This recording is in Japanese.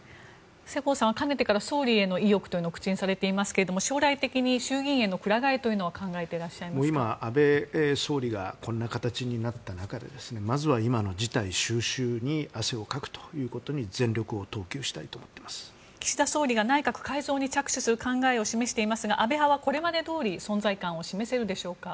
世耕さんはかねてから総理への意欲というのを口にされていますが将来的に、衆議院へのくら替えというのは今、安倍総理がこんな形になった中でまずは今の事態収拾に汗をかくことに全力で岸田総理が内閣改造に着手する考えを示していますが安倍派はこれまでどおり存在感を示せるでしょうか。